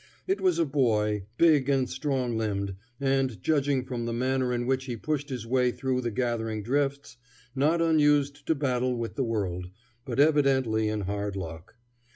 It was a boy, big and strong limbed, and, judging from the manner in which he pushed his way through the gathering drifts, not unused to battle with the world, but evidently in hard luck.